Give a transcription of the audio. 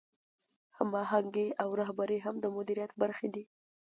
هماهنګي او رهبري هم د مدیریت برخې دي.